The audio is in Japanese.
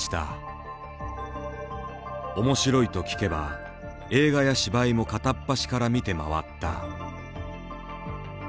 面白いと聞けば映画や芝居も片っ端から見て回った。